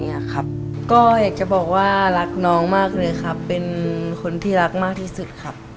อยากจะบอกว่ารักน้องมากเลยครับเป็นคนที่รักมากที่สุดครับ